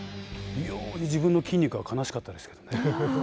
異様に自分の筋肉が悲しかったですけどね。